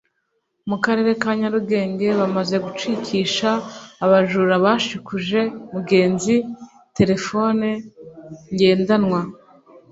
mu karere ka Nyarugenge bamaze gucikisha Abajura bashikuje umugenzi Telefone ngendanwa